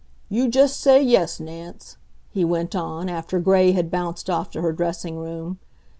"You just say yes, Nance," he went on, after Gray had bounced of to her dressing room.